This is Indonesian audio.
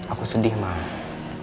aku sedih mama